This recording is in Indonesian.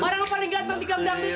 marang paling ganteng di gamdapi